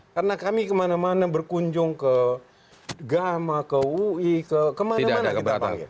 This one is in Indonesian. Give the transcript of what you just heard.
karena kami kemana mana berkunjung ke gama ke ui ke kemana mana kita panggil